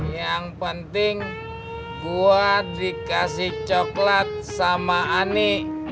yang penting buat dikasih coklat sama ani